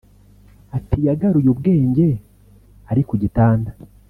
Ati “Yagaruye ubwenge ari ku gitanda